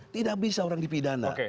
tidak bisa orang dipidana